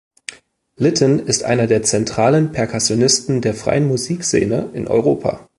Lytton ist einer der zentralen Perkussionisten der freien Musikszene in Europa.